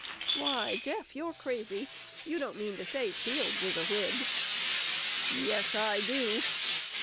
"Why, Jeff, you're crazy: you don't mean to say Shields is a Whig!" "_Yes, I do."